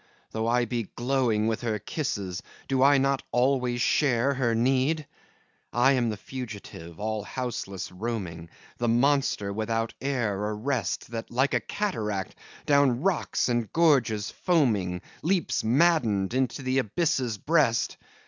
Though I be glowing with her kisses, Do I not always share her need? I am the fugitive, all houseless roaming, The monster without air or rest, That like a cataract, down rocks and gorges foaming, Leaps, maddened, into the abyss's breast!